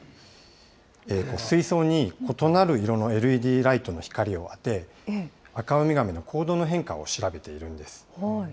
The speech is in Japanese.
水槽に異なる色のＬＥＤライトの光を当て、アカウミガメの行動の変化を調べているんです。